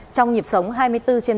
trong nhịp sống hai mươi bốn trên bảy